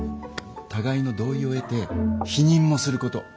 互いの同意を得て避妊もすること。